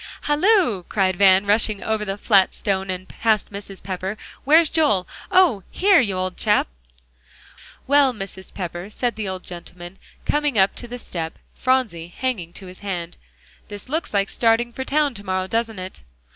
"Halloo!" cried Van, rushing over the flat stone, and past Mrs. Pepper, "where's Joel? Oh here, you old chap!" "Well, Mrs. Pepper," said the old gentleman, coming up to the step, Phronsie hanging to his hand, "this looks like starting for town to morrow, doesn't it?"